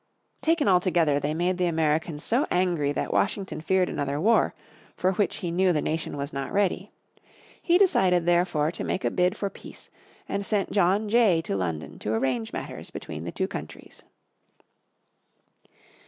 Taken altogether they made the Americans so angry that Washington feared another war, for which he knew the nation was not ready. He decided therefore to make a bid for peace, and sent John Jay to London to arrange matters between the two countries.